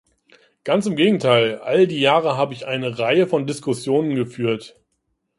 Ganz im Gegenteil, all die Jahre habe ich eine Reihe von Diskussionen geführt.